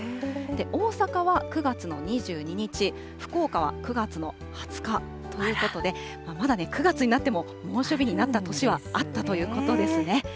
大阪は９月の２２日、福岡は９月の２０日ということで、まだ９月になっても猛暑日になった年はあったということですね。